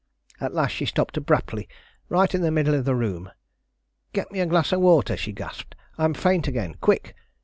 At last she stopped abruptly, right in the middle of the room. 'Get me a glass of water!' she gasped; 'I'm faint again quick!